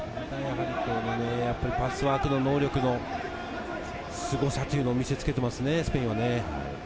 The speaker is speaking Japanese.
パスワークの能力のすごさを見せつけていますね、スペインは。